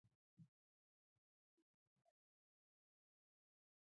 سړک د وطن عزت دی.